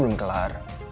belum rencananya besok sih